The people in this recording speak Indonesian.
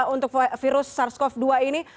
untuk virus sars cov dua ini